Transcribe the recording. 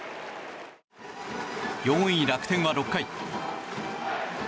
４位、楽天は６回。